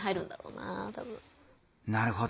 なるほど。